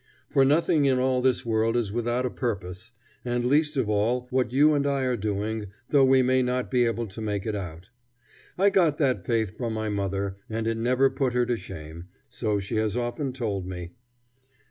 For nothing in all this world is without a purpose, and least of all what you and I are doing, though we may not be able to make it out. I got that faith from my mother, and it never put her to shame, so she has often told me.